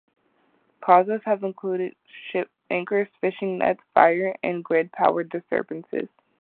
Causes have included ship anchors, fishing nets, fire, and grid power disturbances.